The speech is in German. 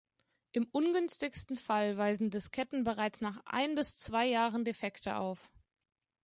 Im ungünstigsten Fall weisen Disketten bereits nach ein bis zwei Jahren Defekte auf.